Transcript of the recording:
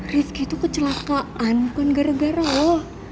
rizky itu kecelakaan bukan gara gara loh